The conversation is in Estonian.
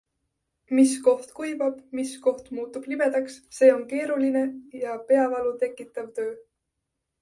Mis koht kuivab, mis koht muutub libedaks - see on keeruliine ja peavalu tekitav töö.